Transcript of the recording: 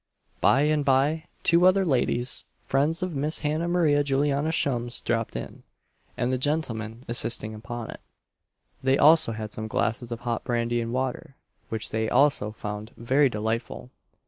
By and by two other ladies, friends of Miss Hannah Maria Juliana Shum's, dropped in, and the gentleman insisting upon it, they also had some glasses of hot brandy and water, which they also found very delightful.